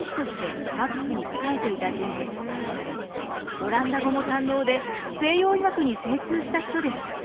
オランダ語も堪能で西洋医学に精通した人でした。